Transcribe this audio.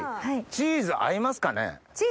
チーズ合いますよね？